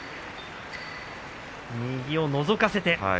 右をのぞかせて。